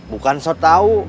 bukan sot tau